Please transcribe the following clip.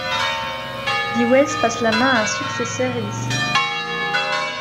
Dewez passe la main à un successeur et disciple.